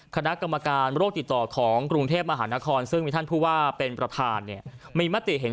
คณะกรรมการโลกติดต่อของกรุงเทพมหานาคลซึ่งมีท่านพูดว่าเป็นประธาน